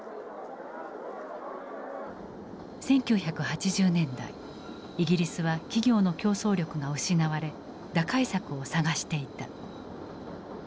１９８０年代イギリスは企業の競争力が失われ打開策を探していた。